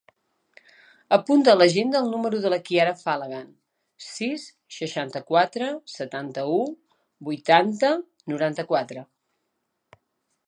Apunta a l'agenda el número de la Chiara Falagan: sis, seixanta-quatre, setanta-u, vuitanta, noranta-quatre.